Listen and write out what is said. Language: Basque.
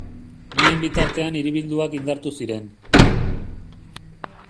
Bien bitartean hiribilduak indartu ziren.